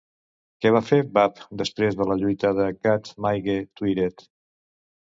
Què va fer Badb després de la lluita de Cath Maige Tuired?